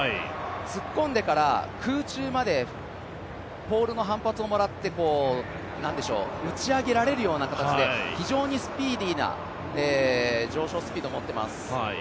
突っ込んでから空中までポールの反発をもらって打ち上げられるような形で非常にスピーディーな上昇スピードを持っています。